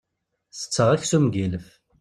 Tetteɣ aksum n yilef.